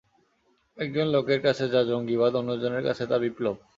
একজন লোকের কাছে যা জঙ্গিবাদ, অন্যজনের কাছে তা বিপ্লব।